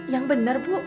yang benar bu